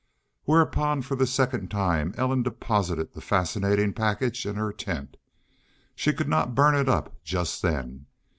Whereupon for the second time Ellen deposited the fascinating package in her tent. She could not burn it up just then.